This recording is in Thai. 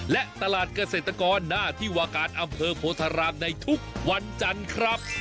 และตลาดเกษตรกรหน้าที่วาการอำเภอโพธารามในทุกวันจันทร์ครับ